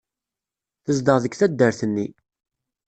Tezdeɣ deg taddart-nni.